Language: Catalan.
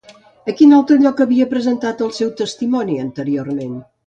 A quin altre lloc havia presentat el seu testimoni anteriorment?